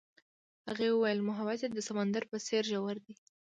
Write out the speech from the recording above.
هغې وویل محبت یې د سمندر په څېر ژور دی.